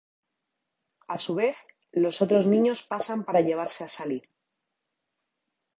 A su vez, los otros niños pasan para llevarse a Sally.